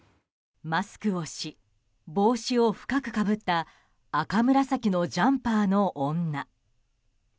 マスクをし帽子を深くかぶった赤紫のジャンパーの女。